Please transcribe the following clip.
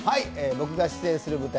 僕が出演する舞台